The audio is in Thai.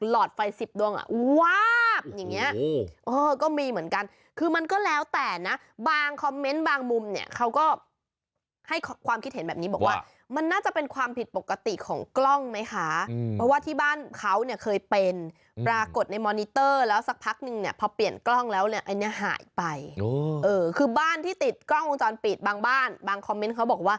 หอดไฟสิบดวงอ่ะวาบอย่างนี้ก็มีเหมือนกันคือมันก็แล้วแต่นะบางคอมเมนต์บางมุมเนี่ยเขาก็ให้ความคิดเห็นแบบนี้บอกว่ามันน่าจะเป็นความผิดปกติของกล้องไหมคะเพราะว่าที่บ้านเขาเนี่ยเคยเป็นปรากฏในมอนิเตอร์แล้วสักพักนึงเนี่ยพอเปลี่ยนกล้องแล้วเนี่ยอันนี้หายไปคือบ้านที่ติดกล้องวงจรปิดบางบ้านบางคอมเมนต์เขาบอกว่า